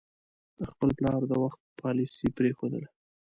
د خپل پلار د وخت پالیسي پرېښودله.